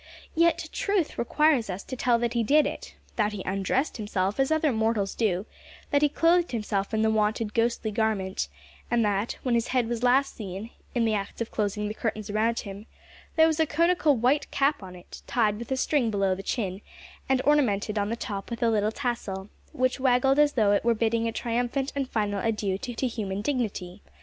Yet truth requires us to tell that he did it; that he undressed himself as other mortals do; that he clothed himself in the wonted ghostly garment; and that, when his head was last seen in the act of closing the curtains around him there was a conical white cap on it, tied with a string below the chin, and ornamented on the top with a little tassel, which waggled as though it were bidding a triumphant and final adieu to human dignity!